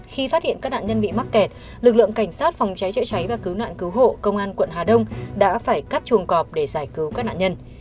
khi phát hiện các nạn nhân bị mắc kẹt lực lượng cảnh sát phòng cháy chữa cháy và cứu nạn cứu hộ công an quận hà đông đã phải cắt chuồng cọp để giải cứu các nạn nhân